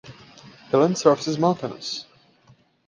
The land surface is mountainous.